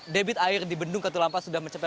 debit air di bendung katulampa sudah mencapai